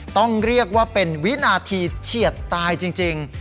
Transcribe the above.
ต้องเรียกว่าเป็นวินาทีเฉียดตายจริง